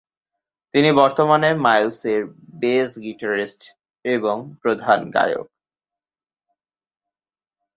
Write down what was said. তিনি বর্তমানে মাইলস এর বেজ গিটারিস্ট এবং প্রধান গায়ক।